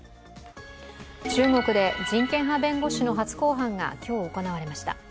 中国で人権派弁護士の初公判が今日行われました。